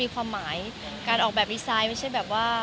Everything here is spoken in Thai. มีปิดฟงปิดไฟแล้วถือเค้กขึ้นมา